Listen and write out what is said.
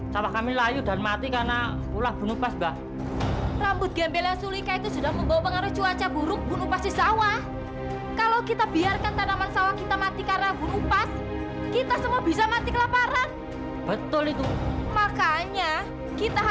sampai jumpa di video selanjutnya